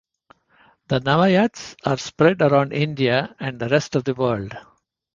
The Nawayaths are spread around India and the rest of the world.